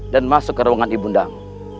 dan masuk ke ruangan ibu ndang